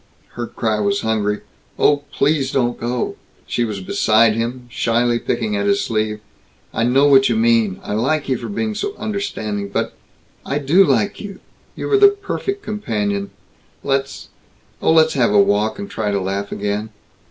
Her cry was hungry: "Oh, please don't go." She was beside him, shyly picking at his sleeve. "I know what you mean. I like you for being so understanding. But I do like you. You were the perfect companion. Let's Oh, let's have a walk and try to laugh again."